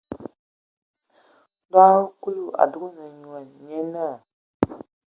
Ndo hm Kúlu a dúgan nyoan, nyé náa.